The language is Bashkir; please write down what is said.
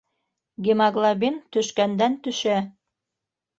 Гемоглобин төшкәндән-төшә!